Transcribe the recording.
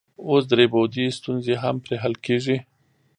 اوس درې بعدي ستونزې هم پرې حل کیږي.